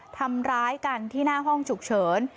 ทำร้ายกันที่หน้าห้องฉุกเฉิน